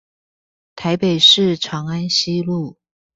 臺北市長安西路